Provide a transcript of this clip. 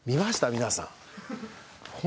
皆さん。